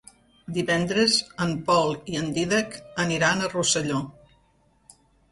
Divendres en Pol i en Dídac aniran a Rosselló.